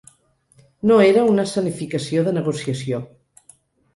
No era una escenificació de negociació.